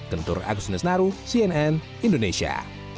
kentur agus nesnaru cnn indonesia